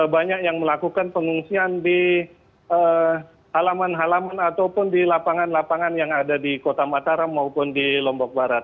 banyak yang melakukan pengungsian di halaman halaman ataupun di lapangan lapangan yang ada di kota mataram maupun di lombok barat